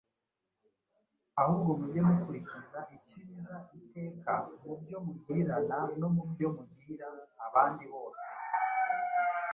ahubwo mujye mukurikiza icyiza iteka mu byo mugirirana no mu byo mugirira abandi bose.